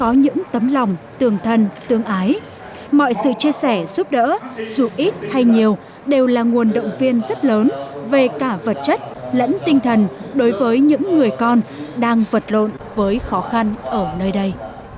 những tấm lòng tương thân tương ái mọi sự chia sẻ giúp đỡ dù ít hay nhiều đều là nguồn động viên rất lớn về cả vật chất lẫn tinh thần đối với những người con đang vật lộn với khó khăn ở nơi đây